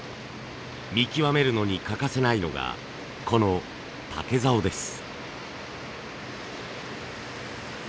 見極めるのに欠かせないのがこの竹ざおです。